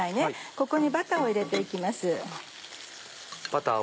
ここにバターを入れて行きます。